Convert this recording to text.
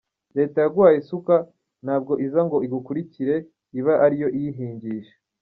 Leta yaguhaye isuka ntabwo iza ngo igukurikire iba ariyo iyihingisha”.